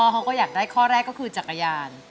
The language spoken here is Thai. เขาก็อยากได้ข้อแรกก็คือจักรยาน